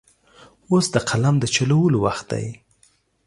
اوس د قلم د چلولو وخت دی.